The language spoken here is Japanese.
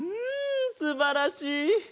んすばらしい！